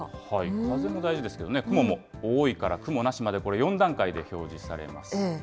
風も大事ですけどね、雲多いから、雲なしまでこれ、４段階で表示されます。